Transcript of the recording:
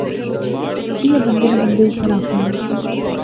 ایہہ بندے ناں بندے اپر حق ہونا